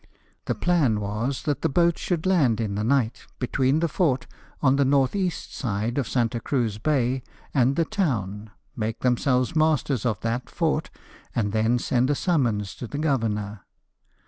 The plan was that the boats should land in the night between the fort on the N.E. side of Santa Cruz bay and the town, make themselves masters of that fort, and then send a summons to the governor.